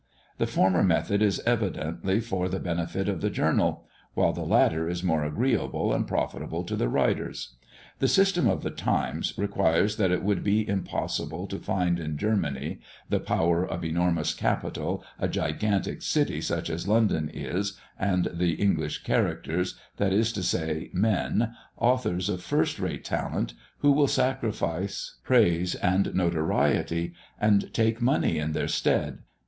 The former method is evidently for the benefit of the journal, while the latter is more agreeable and profitable to the writers. The system of the Times requires what it would be impossible to find in Germany the power of enormous capital, a gigantic city such as London is, and English characters, that is to say, men, authors of first rate talent, who will sacrifice praise and notoriety, and take money in their stead.